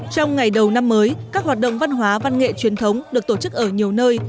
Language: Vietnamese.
trong ngày đầu năm mới các hoạt động văn hóa văn nghệ truyền thống được tổ chức ở nhiều nơi